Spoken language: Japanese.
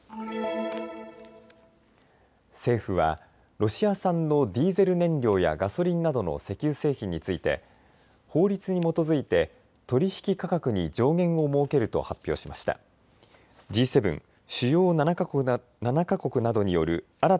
政府はロシア産のディーゼル燃料やガソリンなどの石油製品について法律に基づいて取引価格に上限を設けると発表しました。